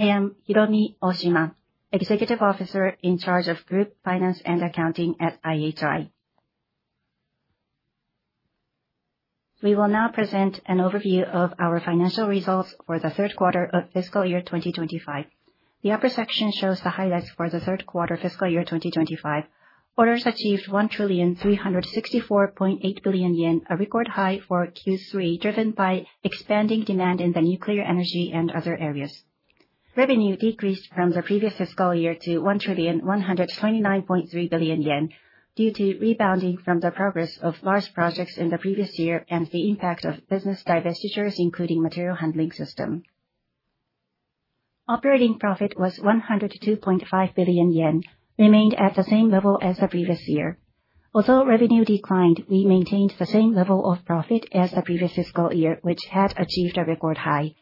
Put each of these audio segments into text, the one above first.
I am Hiromi Oshima, Executive Officer in charge of Group Finance and Accounting at IHI. We will now present an overview of our financial results for Q3 of FY2025. The upper section shows the highlights for Q3 FY2025. Orders achieved 1,364.8 billion yen, a record high for Q3, driven by expanding demand in the nuclear energy and other areas. Revenue decreased from the previous fiscal year to 1,129.3 billion yen due to rebounding from the progress of large projects in the previous year and the impact of business divestitures, including materials handling system. Operating profit was 102.5 billion yen, remained at the same level as the previous year. Although revenue declined, we maintained the same level of profit as the previous fiscal year, which had achieved a record high.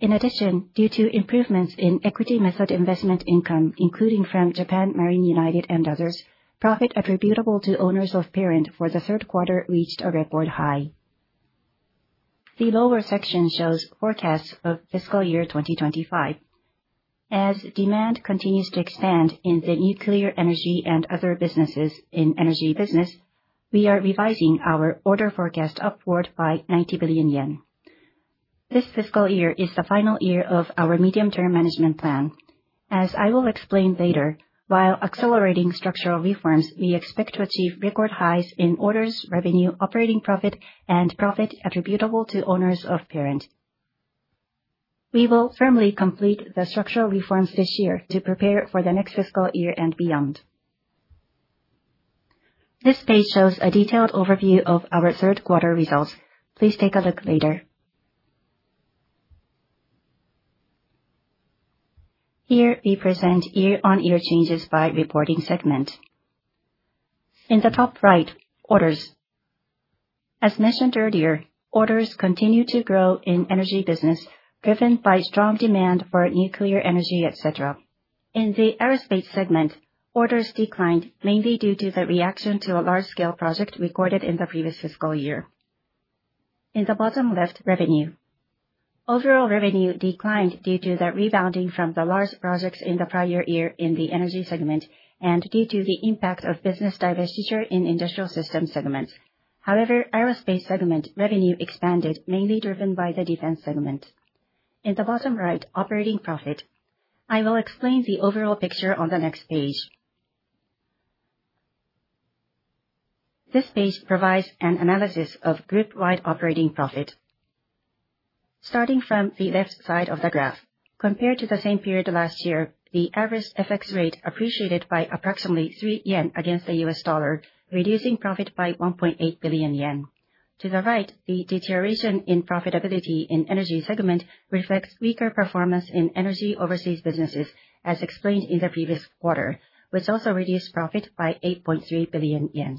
In addition, due to improvements in equity method investment income, including from Japan Marine United and others, profit attributable to owners of parent for Q3 reached a record high. The lower section shows forecasts of FY2025. As demand continues to expand in the nuclear energy and other businesses in energy business, we are revising our order forecast upward by 90 billion yen. This fiscal year is the final year of our medium-term management plan. As I will explain later, while accelerating structural reforms, we expect to achieve record highs in orders, revenue, operating profit, and profit attributable to owners of parent. We will firmly complete the structural reforms this year to prepare for the next fiscal year and beyond. This page shows a detailed overview of our Q3 results. Please take a look later. Here, we present year-on-year changes by reporting segment. In the top right, orders. As mentioned earlier, orders continue to grow in energy business, driven by strong demand for nuclear energy, et cetera. In the aerospace segment, orders declined, mainly due to the reaction to a large-scale project recorded in the previous fiscal year. In the bottom left, revenue. Overall revenue declined due to the rebounding from the large projects in the prior year in the energy segment and due to the impact of business divestiture in industrial system segments. Aerospace segment revenue expanded, mainly driven by the defense segment. In the bottom right, operating profit. I will explain the overall picture on the next page. This page provides an analysis of group-wide operating profit. Starting from the left side of the graph, compared to the same period last year, the average FX rate appreciated by approximately 3 yen against the US dollar, reducing profit by 1.8 billion yen. To the right, the deterioration in profitability in energy segment reflects weaker performance in energy overseas businesses, as explained in the previous quarter, which also reduced profit by 8.3 billion yen.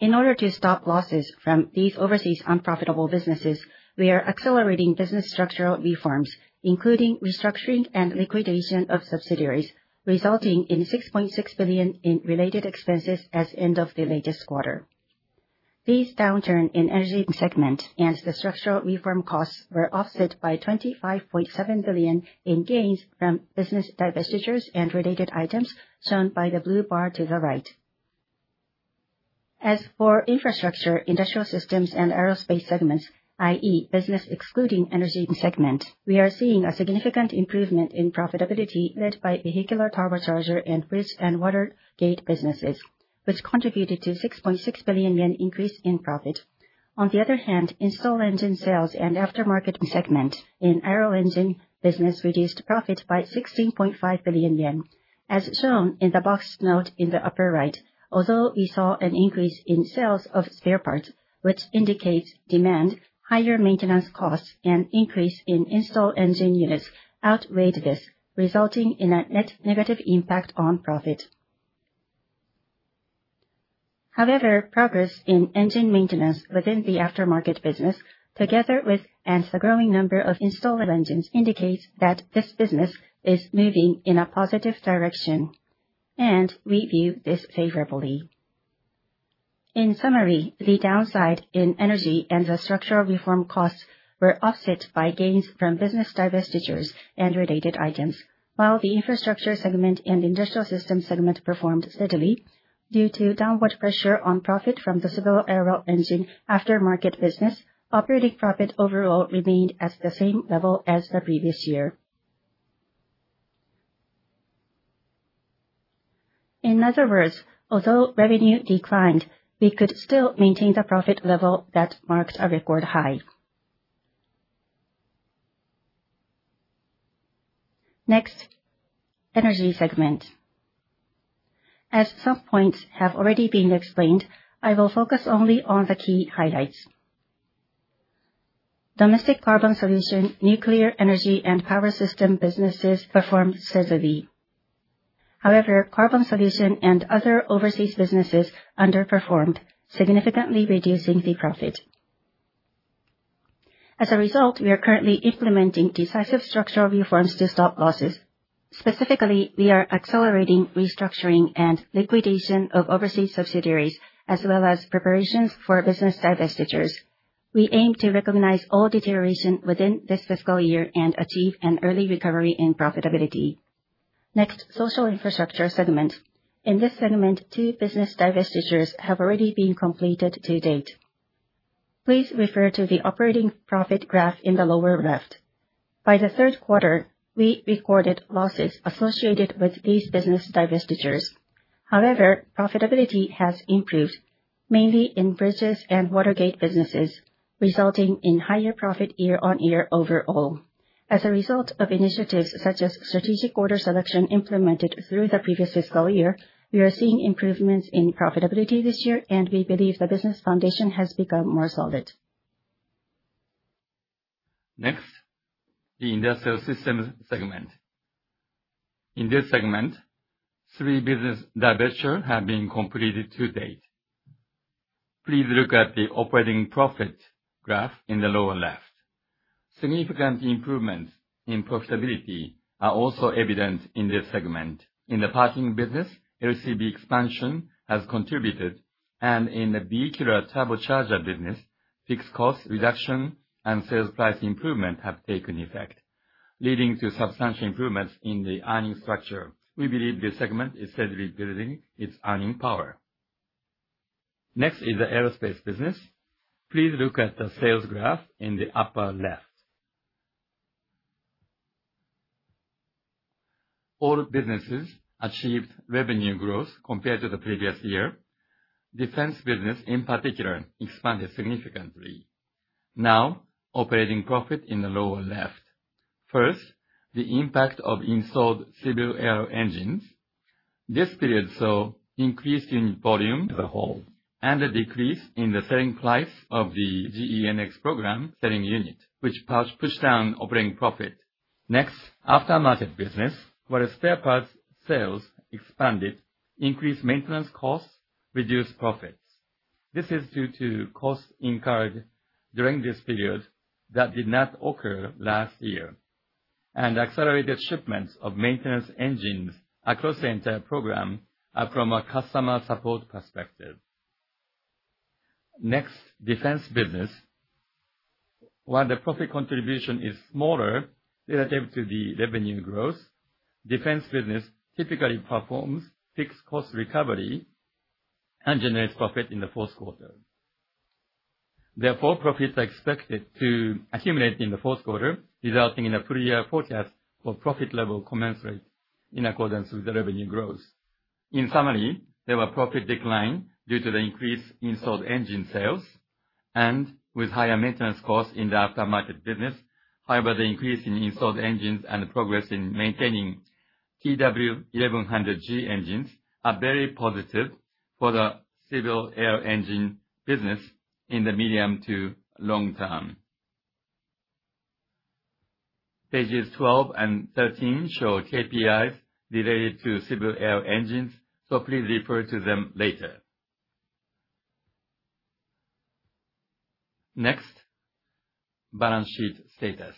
In order to stop losses from these overseas unprofitable businesses, we are accelerating business structural reforms, including restructuring and liquidation of subsidiaries, resulting in 6.6 billion in related expenses as end of the latest quarter. This downturn in energy segment and the structural reform costs were offset by 25.7 billion in gains from business divestitures and related items shown by the blue bar to the right. As for infrastructure, industrial systems, and aerospace segments, i.e., business excluding energy segment, we are seeing a significant improvement in profitability led by Vehicular Turbocharger and bridge and water gate businesses, which contributed to 6.6 billion yen increase in profit. On the other hand, installed engine sales and aftermarket segment in aero-engine business reduced profit by 16.5 billion yen. As shown in the boxed note in the upper right, although we saw an increase in sales of spare parts, which indicates demand, higher maintenance costs, and increase in installed engine units outweighed this, resulting in a net negative impact on profit. Progress in engine maintenance within the aftermarket business, together with the growing number of installed engines, indicates that this business is moving in a positive direction, and we view this favorably. The downside in energy and the structural reform costs were offset by gains from business divestitures and related items. While the infrastructure segment and industrial systems segment performed steadily due to downward pressure on profit from the civil aero-engine aftermarket business, operating profit overall remained at the same level as the previous year. In other words, although revenue declined, we could still maintain the profit level that marked a record high. Energy segment. As some points have already been explained, I will focus only on the key highlights. Domestic Carbon Solutions, nuclear energy, and power system businesses performed steadily. However, Carbon Solutions and other overseas businesses underperformed, significantly reducing the profit. We are currently implementing decisive structural reforms to stop losses. We are accelerating restructuring and liquidation of overseas subsidiaries, as well as preparations for business divestitures. We aim to recognize all deterioration within this fiscal year and achieve an early recovery in profitability. Social infrastructure segment. In this segment, two business divestitures have already been completed to date. Please refer to the operating profit graph in the lower left. By the third quarter, we recorded losses associated with these business divestitures. Profitability has improved, mainly in bridges and water gate businesses, resulting in higher profit year-on-year overall. Initiatives such as strategic order selection implemented through the previous fiscal year, we are seeing improvements in profitability this year, and we believe the business foundation has become more solid. The industrial systems segment. In this segment, three business divestiture have been completed to date. Please look at the operating profit graph in the lower left. Significant improvements in profitability are also evident in this segment. In the Parking Business, LCB expansion has contributed, and in the Vehicular Turbocharger business, fixed cost reduction and sales price improvement have taken effect, leading to substantial improvements in the earning structure. We believe this segment is steadily building its earning power. The aerospace business. Please look at the sales graph in the upper left. All businesses achieved revenue growth compared to the previous year. Defense business, in particular, expanded significantly. Operating profit in the lower left. The impact of installed civil aero engines. This period saw increase in volume as a whole, and a decrease in the selling price of the GEnx program selling unit, which pushed down operating profit. Aftermarket business. While spare parts sales expanded, increased maintenance costs reduced profits. This is due to cost incurred during this period that did not occur last year, and accelerated shipments of maintenance engines across the entire program from a customer support perspective. Defense business. While the profit contribution is smaller relative to the revenue growth, defense business typically performs fixed cost recovery and generates profit in the fourth quarter. Profits are expected to accumulate in the fourth quarter, resulting in a full-year forecast for profit level commensurate in accordance with the revenue growth. In summary, there were profit decline due to the increased installed engine sales and with higher maintenance costs in the aftermarket business. The increase in installed engines and the progress in maintaining PW1100G engines are very positive for the civil aero engine business in the medium to long term. Pages 12 and 13 show KPIs related to civil aero engines. Please refer to them later. Balance sheet status.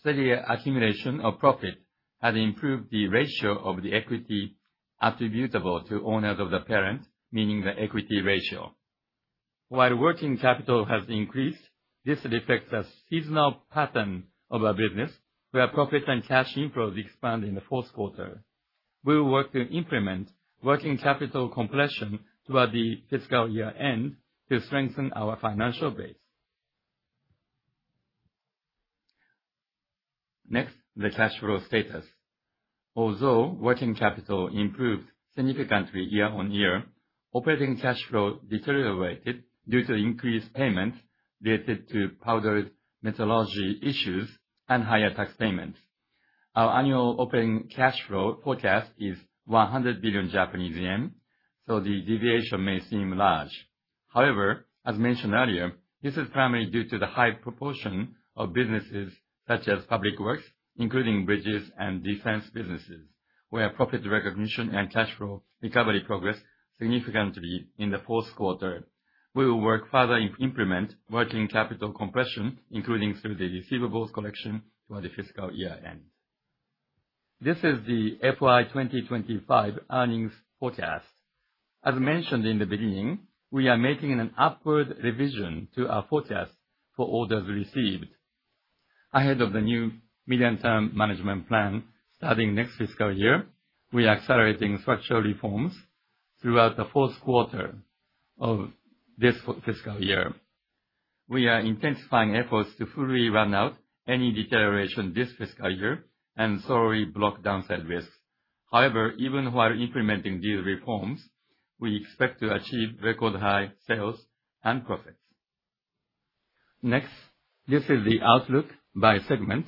Steady accumulation of profit has improved the ratio of the equity attributable to owners of the parent, meaning the equity ratio. While working capital has increased, this reflects a seasonal pattern of our business, where profit and cash inflow expand in the fourth quarter. We will work to implement working capital compression toward the fiscal year-end to strengthen our financial base. The cash flow status. Working capital improved significantly year-on-year, operating cash flow deteriorated due to increased payment related to powder metallurgy issues and higher tax payments. Our annual operating cash flow forecast is 100 billion Japanese yen. The deviation may seem large. As mentioned earlier, this is primarily due to the high proportion of businesses such as public works, including bridges and defense businesses, where profit recognition and cash flow recovery progress significantly in the fourth quarter. We will work further to implement working capital compression, including through the receivables collection toward the fiscal year-end. This is the FY 2025 earnings forecast. As mentioned in the beginning, we are making an upward revision to our forecast for orders received. Ahead of the new medium-term management plan starting next fiscal year, we are accelerating structural reforms throughout the fourth quarter of this fiscal year. We are intensifying efforts to fully run out any deterioration this fiscal year, and thoroughly block downside risks. Even while implementing these reforms, we expect to achieve record high sales and profits. This is the outlook by segment.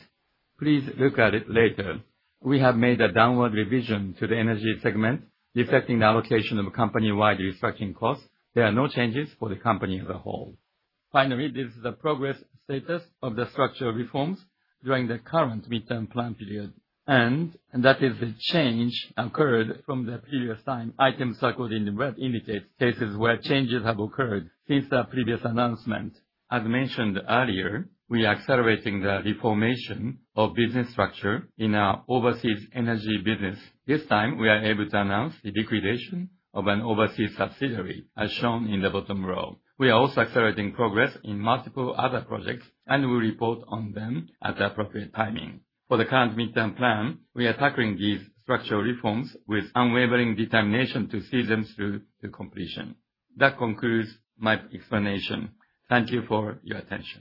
Please look at it later. We have made a downward revision to the energy segment, reflecting the allocation of company-wide restructuring costs. There are no changes for the company as a whole. This is the progress status of the structural reforms during the current midterm plan period. That is the change occurred from the previous time. Items circled in the red indicates cases where changes have occurred since our previous announcement. As mentioned earlier, we are accelerating the reformation of business structure in our overseas energy business. This time, we are able to announce the liquidation of an overseas subsidiary, as shown in the bottom row. We are also accelerating progress in multiple other projects, and will report on them at the appropriate timing. For the current midterm plan, we are tackling these structural reforms with unwavering determination to see them through to completion. That concludes my explanation. Thank you for your attention.